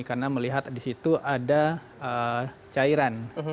karena melihat di situ ada cairan